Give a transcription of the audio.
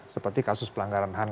seperti kasus pelanggaran han